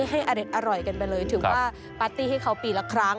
ให้อเด็ดอร่อยกันไปเลยถือว่าปาร์ตี้ให้เขาปีละครั้ง